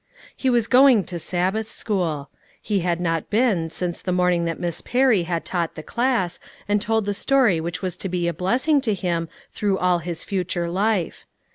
He was going to Sabbath school. He had not been since the morning that Miss Perry had taught the class, and told the story which was to be a blessing to him through all his future life.